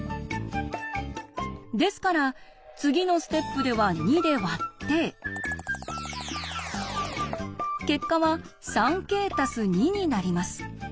ですから次のステップでは２で割って結果は「３ｋ＋２」になります。